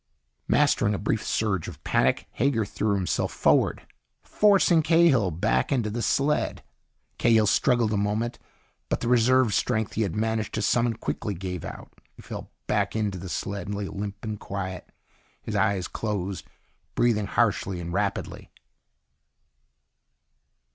Mastering a brief surge of panic, Hager threw himself forward, forcing Cahill back into the sled. Cahill struggled a moment, but the reserve strength he had managed to summon quickly gave out. He fell back into the sled and lay limp and quiet, his eyes closed, breathing harshly and rapidly.